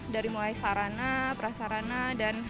dari mulai sarana prasarana dan